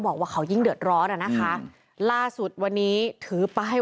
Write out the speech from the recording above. บอกว่าเขายิ่งเดือดร้อนอ่ะนะคะล่าสุดวันนี้ถือป้าย